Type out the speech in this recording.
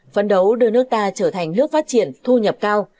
phấn đấu đưa nước ta trở thành nước phát triển thu nhập cao